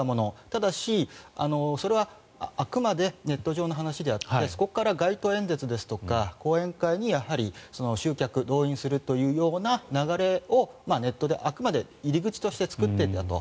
ただし、それはあくまでネット上の話であってそこから街頭演説とか講演会にやはり集客動員するというような流れをネットで、あくまで入り口として作っていたと。